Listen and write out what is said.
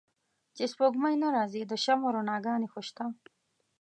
چې سپوږمۍ نه را ځي د شمعو رڼاګا نې خوشته